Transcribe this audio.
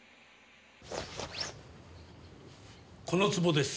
この壺です。